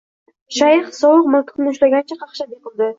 Shayx sovuq miltiqni ushlagancha, qaqshab yiqildi